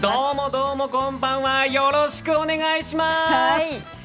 どうも、こんばんはよろしくお願いします！